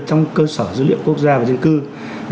trong cơ sở dữ liệu quốc gia về dân cư